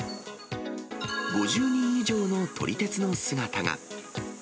５０人以上の撮り鉄の姿が。